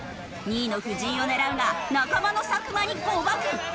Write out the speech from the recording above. ２位の藤井を狙うが仲間の作間に誤爆！